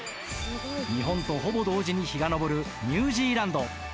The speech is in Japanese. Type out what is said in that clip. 日本とほぼ同時に日が昇るニュージーランド。